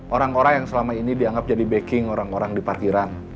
orang orang yang selama ini dianggap jadi backing orang orang di parkiran